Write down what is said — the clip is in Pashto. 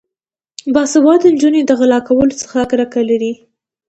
باسواده نجونې د غلا کولو څخه کرکه لري.